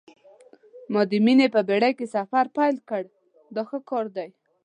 ما د مینې په بېړۍ کې سفر پیل کړ دا ښه کار دی.